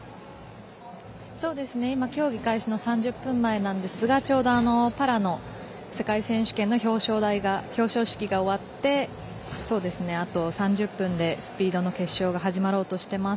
今、競技開始の３０分前なんですがちょうどパラの世界選手権の表彰式が終わってあと３０分でスピードの決勝が始まろうとしています。